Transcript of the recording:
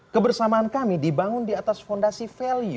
kebersamaan kami dibangun di atas fondasi value